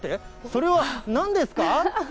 それは、なんですか？